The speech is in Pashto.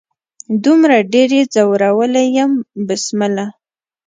دومره ډیر يې ځورولي يم بسمله